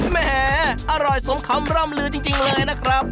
แหมอร่อยสมคำร่ำลือจริงเลยนะครับ